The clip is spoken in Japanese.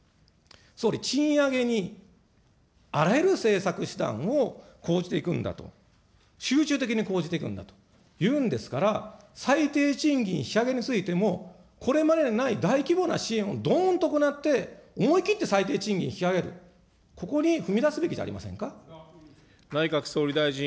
総理、賃上げにあらゆる政策手段を講じていくんだと、集中的に講じていくんだというんですから、最低賃金引き上げについても、これまでにない大規模な支援をどーんと行って、思い切って最低賃金を引き上げる、ここに踏み出すべきじゃありませんか。